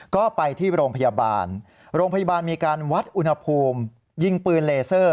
ก็ไปที่โรงพยาบาลโรงพยาบาลมีการวัดอุณหภูมิยิงปืนเลเซอร์